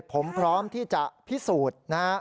ผมพร้อมที่จะพิสูจน์นะฮะ